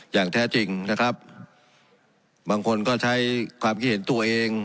อย่างแท้จริงนะครับบางคนก็ใช้ความคิดเห็นตัวเอง